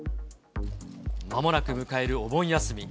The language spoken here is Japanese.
まもなく迎えるお盆休み。